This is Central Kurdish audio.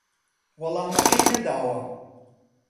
وەڵامەکەی نەداوە